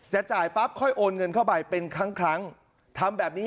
จ่ายปั๊บค่อยโอนเงินเข้าไปเป็นครั้งครั้งทำแบบนี้